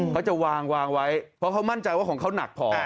เขาจะวางไว้เพราะเขามั่นใจว่าของเขาหนักพอ